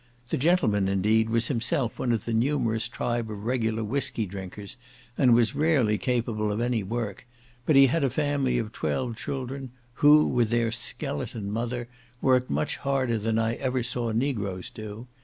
The gentleman, indeed, was himself one of the numerous tribe of regular whiskey drinkers, and was rarely capable of any work; but he had a family of twelve children, who, with their skeleton mother, worked much harder than I ever saw negroes do.